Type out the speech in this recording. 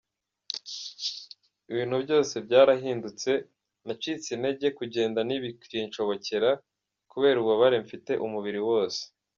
Ibintu byose byarahindutse, nacitse intege, kugenda ntibikinshobokera kubera ububabare mfite umubiri wose.